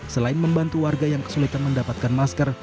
selain membantu warga yang kesulitan mendapatkan masker